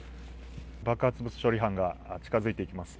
爆発物処理班が近づいていきます。